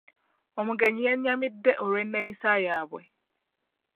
Omugenyi yenyamiddeolw'enneeyisa yaabwe.